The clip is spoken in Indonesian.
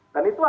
dan itu ada